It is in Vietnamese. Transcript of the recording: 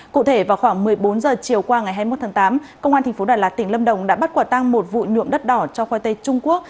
cụ thể vào khoảng một mươi bốn h chiều qua ngày hai mươi một tháng tám công an tp đà lạt tỉnh lâm đồng đã bắt quả tăng một vụ nhuộm đất đỏ cho khoai tây trung quốc